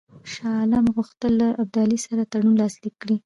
شاه عالم غوښتل له ابدالي سره تړون لاسلیک کړي.